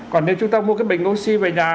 còn nếu chúng ta mua cái bình oxy về nhà